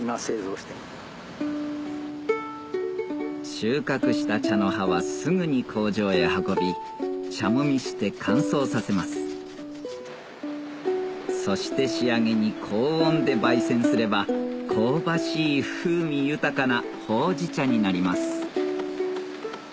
収穫した茶の葉はすぐに工場へ運び茶もみして乾燥させますそして仕上げに高温で焙煎すれば香ばしい風味豊かなほうじ茶になります